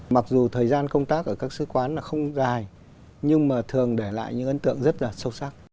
mặc dù thời gian công tác ở các sứ quán là không dài nhưng mà thường để lại những ấn tượng rất là sâu sắc